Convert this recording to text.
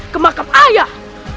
ke makam ayah